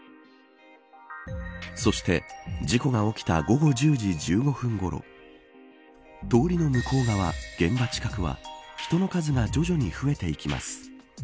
そして、事故が起きた午後１０時１５分ごろ通りの向こう側、現場近くは人の数が徐々に増えていきます。